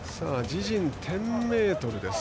自陣１０ｍです。